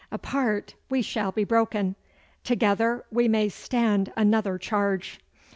Apart we shall be broken together we may stand another charge.